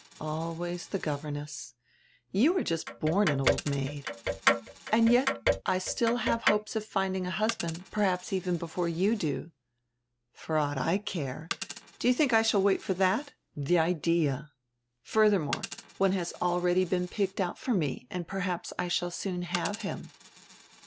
"Always the governess. You are just a born old maid." "And yet I still have hopes of finding a husband, perhaps even before you do." "For aught I care. Do you diink I shall wait for diat? The idea! Furdiermore one has already been picked out for me and perhaps I shall soon have him.